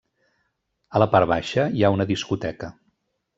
A la part baixa hi ha una discoteca.